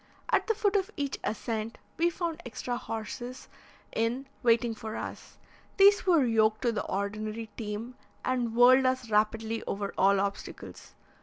At the foot of each ascent we found extra horses in waiting for us; these were yoked to the ordinary team, and whirled us rapidly over all obstacles.